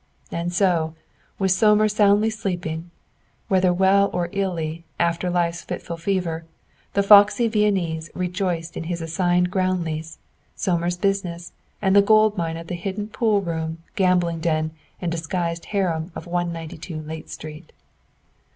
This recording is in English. And so, with Sohmer soundly sleeping, whether well or illy, "after life's fitful fever," the foxy Viennese rejoiced in his assigned ground lease, Sohmer's business, and the gold mine of the hidden pool room, gambling den and disguised harem of No. 192 Layte Street.